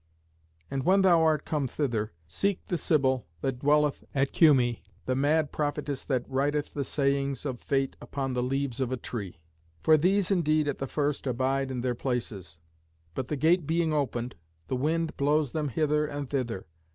And when thou art come thither, seek the Sibyl that dwelleth at Cumæ, the mad prophetess that writeth the sayings of Fate upon the leaves of a tree. For these indeed at the first abide in their places, but, the gate being opened, the wind blows them hither and thither.